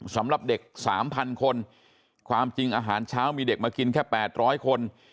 สำหรับเด็ก๓๐๐คนความจริงอาหารเช้ามีเด็กมากินแค่๘๐๐คน